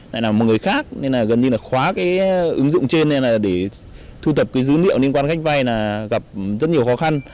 lại là một người khác nên là gần như là khóa cái ứng dụng trên nên là để thu thập cái dữ liệu liên quan đến cách vay là gặp rất nhiều khó khăn